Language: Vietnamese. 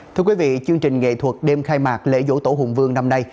thưa quý vị chương trình nghệ thuật đêm khai mạc lễ dỗ tổ hùng vương năm nay